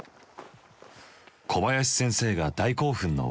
小林先生が大興奮の訳。